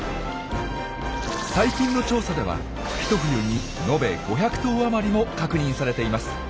最近の調査ではひと冬にのべ５００頭余りも確認されています。